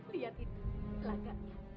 lihat itu lagaknya